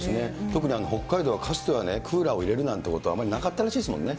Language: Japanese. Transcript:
特に、北海道はかつてはクーラーを入れるなんてことはあまりなかったらそうです。